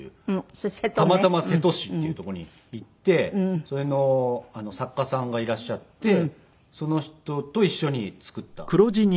たまたま瀬戸市っていう所に行ってそれの作家さんがいらっしゃってその人と一緒に作ったお皿ですね。